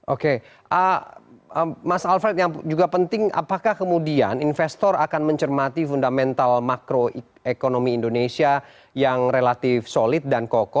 oke mas alfred yang juga penting apakah kemudian investor akan mencermati fundamental makroekonomi indonesia yang relatif solid dan kokoh